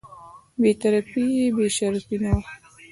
بې طرفي یې بې شرفي نه وه.